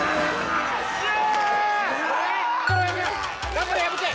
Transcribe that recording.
・頑張れ破け！